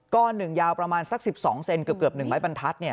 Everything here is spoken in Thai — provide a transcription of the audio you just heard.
ก้อนหนึ่งยาวประมาณสัก๑๒เซนเกือบหนึ่งไม้บันทัศน์